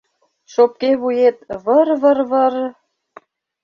Шопке вует — выр-выр-выр;